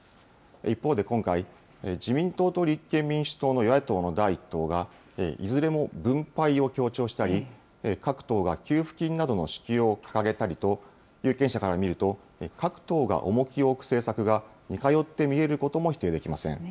一方で今回、自民党と立憲民主党の与野党の第１党が、いずれも分配を強調したり、各党が給付金などの支給を掲げたりと、有権者から見ると各党が重きを置く政策が似通って見えることも否定できません。